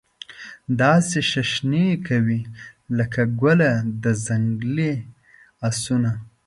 داسي شیشنی کوي لکه ګله د ځنګلې اسانو